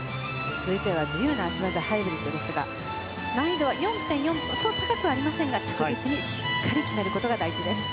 続いては自由な脚技で入っていくんですが難易度は４．４とそう高くはありませんが着実にしっかり決めることが大事です。